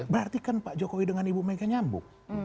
berarti kan pak jokowi dengan ibu mega nyambung